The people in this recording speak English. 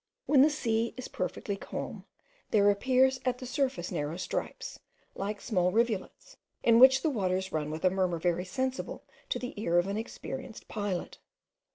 When the sea is perfectly calm, there appears at the surface narrow stripes, like small rivulets, in which the waters run with a murmur very sensible to the ear of an experienced pilot.